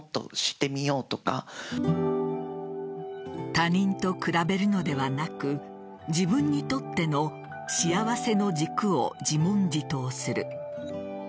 他人と比べるのではなく自分にとっての幸せの軸を自問自答する。